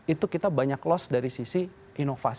itu kita banyak loss dari sisi inovasi